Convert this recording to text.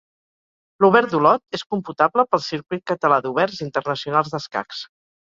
L'Obert d'Olot és computable pel Circuit Català d'Oberts Internacionals d'Escacs.